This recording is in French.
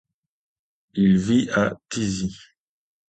Il vit à Thizy.